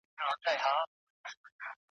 خو دا مي په خپل ښار کي له لویانو اورېدلي ,